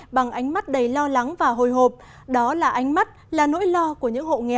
bằng ánh mắt đầy lo lắng và hồi hộp đó là ánh mắt là nỗi lo của những hộ nghèo